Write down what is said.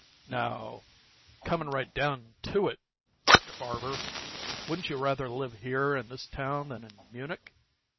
Now comin' right down TO it, Mr. Farver, wouldn't you rather live here in this town than in Munich?